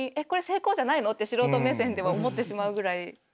これ成功じゃないのって素人目線では思ってしまうぐらい。